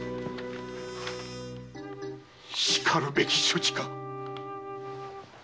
しかるべき処置か。